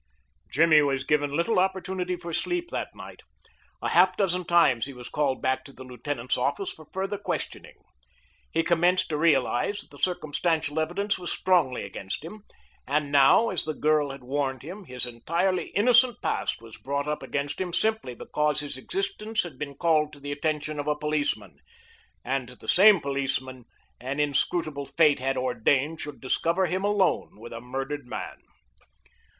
Jimmy was given little opportunity for sleep that night. A half dozen times he was called back to the lieutenant's office for further questioning. He commenced to realize that the circumstantial evidence was strongly against him, and now, as the girl had warned him, his entirely innocent past was brought up against him simply because his existence had been called to the attention of a policeman, and the same policeman an inscrutable Fate had ordained should discover him alone with a murdered man.